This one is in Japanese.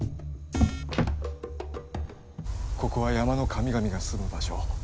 ここは山の神々が住む場所。